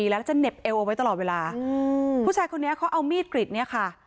แล้วจะเหน็บเอวเอาไว้ตลอดเวลาอืมผู้ชายคนนี้เขาเอามีดกริดเนี่ยค่ะ